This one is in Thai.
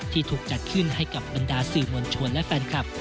ที่ถูกจัดขึ้นให้กับบรรดาสื่อมวลชนและแฟนคลับ